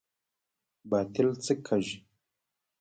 باطل څه کیږي؟